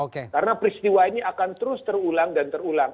karena peristiwa ini akan terus terulang dan terulang